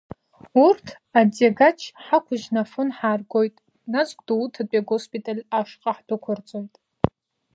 Урҭ атиагач ҳақәыжьны Афон ҳааргоит, нас Гәдоуҭатәи агоспиталь ашҟа ҳдәықәырҵоит.